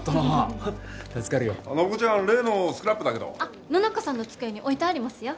あっ野中さんの机に置いてありますよ。